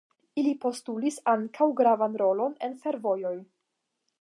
Ili postulis ankaŭ gravan rolon en fervojoj.